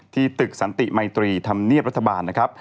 ตึกสันติมัยตรีธรรมเนียบรัฐบาลนะครับ